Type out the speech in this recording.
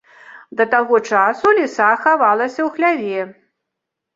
Да таго часу ліса хавалася ў хляве.